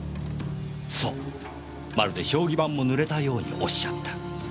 そうまるで将棋盤も濡れたようにおっしゃった。